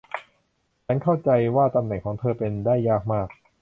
ฉันเข้าใจว่าตำแหน่งของเธอเป็นได้ยากมาก